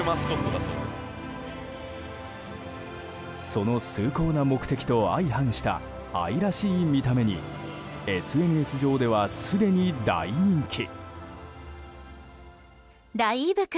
その崇高な目的と相反した愛らしい見た目にＳＮＳ上ではすでに大人気。